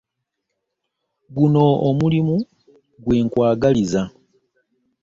Guno omulimu gwe nkwagaliza.